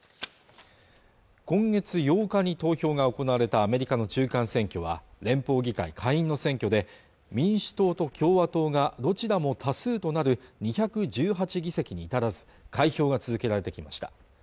今月８日に投票が行われたアメリカの中間選挙は連邦議会下院の選挙で民主党と共和党がどちらも多数となる２１８議席に至らず開票が続けられてきました